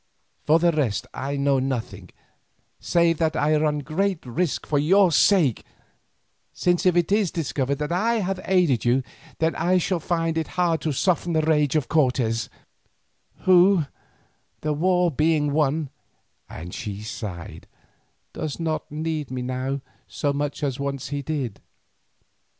For the rest I know nothing, save that I run great risk for your sakes, since if it is discovered that I have aided you, then I shall find it hard to soften the rage of Cortes, who, the war being won," and she sighed, "does not need me now so much as once he did."